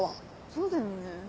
そうだよね。